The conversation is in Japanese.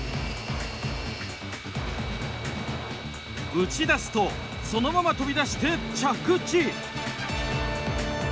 打ち出すとそのまま飛び出して着地。